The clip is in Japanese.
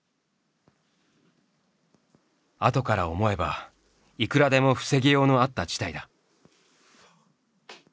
あとから思えばいくらでも防ぎようのあった事態だ。